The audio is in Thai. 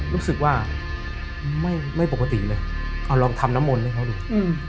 รู้สึกว่าไม่ไม่ปกติเลยเอาลองทำน้ำมนให้เค้าดูอืม